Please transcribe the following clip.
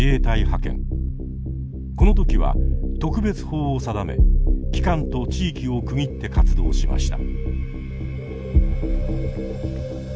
この時は特別法を定め期間と地域を区切って活動しました。